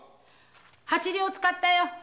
八両使ったよ。